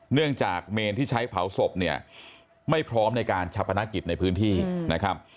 เนื่องจากเมนที่ใช้เผาศพเนี่ยไม่พร้อมในการชะพนักกิจในพื้นที่นะครับ